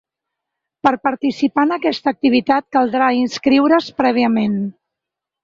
Per participar en aquesta activitat caldrà inscriure’s prèviament.